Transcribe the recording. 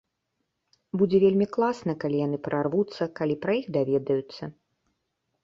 Будзе вельмі класна, калі яны прарвуцца, калі пра іх даведаюцца.